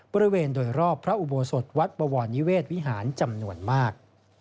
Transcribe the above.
บริเวณโดยรอบพระอุโบสถวัดบวรนิเวศวิหารจำนวนมาก